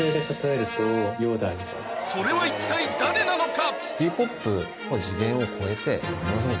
それは一体誰なのか⁉